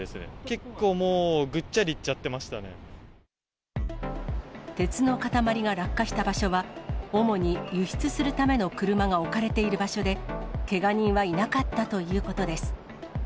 結構もう、鉄の塊が落下した場所は、主に輸出するための車が置かれている場所で、けが人はいなかったということです。